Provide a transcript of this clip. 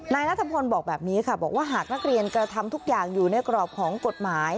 นายนัทพลบอกแบบนี้ค่ะบอกว่าหากนักเรียนกระทำทุกอย่างอยู่ในกรอบของกฎหมาย